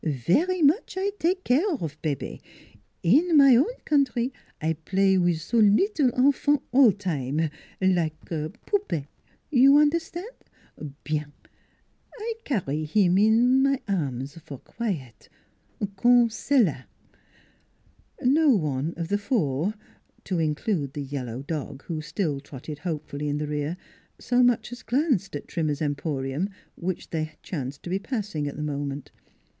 Vary much I take care of bebe. In my own countrie I play wiz so leetle enfants all times, like like poupees you un'erstan' ? Bien! I carry heem in arms for quiet comme celle la! " No one of the four (to include the yellow dog, who still trotted hopefully in the rear) so much as glanced at Trimmer's Emporium, which they chanced to be passing at the moment.